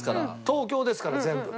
東京ですから全部。